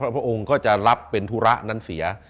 พระองค์ก็จะรับเป็นธุระนั้นเสีย